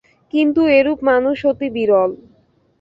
কিন্তু এরূপ মানুষ অতি বিরল।